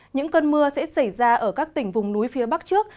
những cơn mưa sẽ xảy ra ở các tỉnh vùng núi phía bắc trước